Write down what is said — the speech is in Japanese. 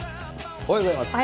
おはようございます。